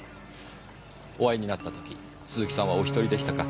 お会いになった時鈴木さんはお１人でしたか？